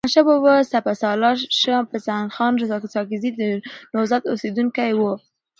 د احمدشاه بابا سپه سالارشاه پسندخان ساکزی د نوزاد اوسیدونکی وو.